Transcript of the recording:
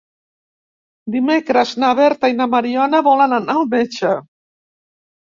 Dimecres na Berta i na Mariona volen anar al metge.